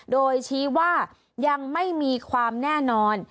โดยชี้ว่ายังไม่มีความแน่นอน